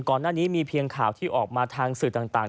ก่อนหน้านี้มีเพียงข่าวที่ออกมาทางสื่อต่าง